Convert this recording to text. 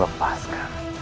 tepaskan nyi iroh